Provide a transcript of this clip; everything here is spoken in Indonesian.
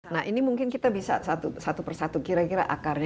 nah ini mungkin kita bisa satu persatu kira kira akarnya